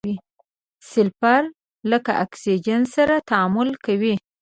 سلفر له اکسیجن سره تعامل کوي.